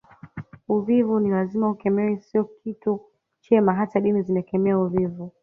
Uvivu ni lazima ukemewe sio kitu chema hata dini zimekemea uvivu